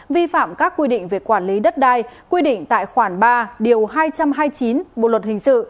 vi phạm các quy định về quản lý đất đai quy định tại khoản ba điều hai trăm hai mươi chín bộ luật hình sự